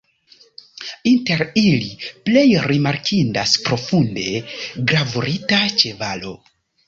Inter ili plej rimarkindas profunde gravurita ĉevalo.